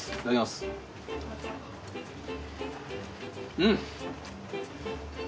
うん。